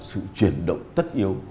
sự chuyển động tất nhiên